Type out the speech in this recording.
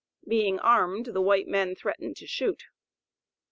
Being armed, the white men threatened to shoot.